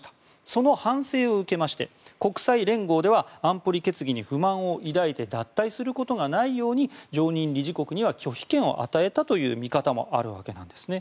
その反省を受けまして国際連合では安保理決議に不満を抱いて脱退することがないように常任理事国には拒否権を与えたという見方もあるわけなんです。